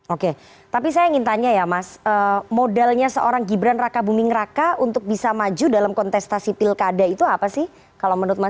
oke tapi saya ingin tanya ya mas modalnya seorang gibran raka buming raka untuk bisa maju dalam kontestasi politik